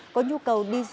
có nhu cầu đi du lịch